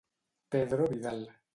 Pedro Vidal.